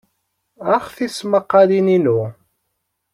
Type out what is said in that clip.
Ax tismaqalin-inu.